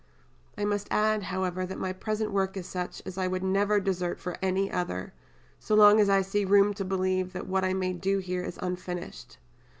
I must add, however, that my present work is such as I would never desert for any other, so long as I see room to believe that what I may do here is unfinished.